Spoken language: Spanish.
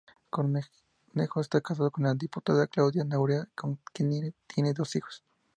Cornejo está casado con la diputada Claudia Nogueira, con quien tiene dos hijos.